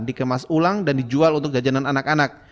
dikemas ulang dan dijual untuk jajanan anak anak